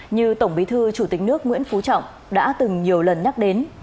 như tổng bí thư chủ tịch nước nguyễn phú trọng đã từng nhiều lần nhắc đến